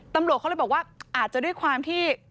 ตำรวจเขาเลยบอกว่าอาจจะด้วยความที่